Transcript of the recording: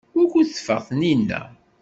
Wukud teffeɣ Taninna?